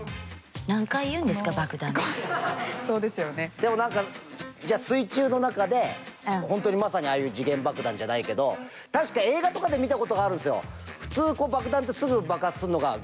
でも何かじゃあ水中の中で本当にまさにああいう時限爆弾じゃないけど確か映画とかで見たことがあるんですよ。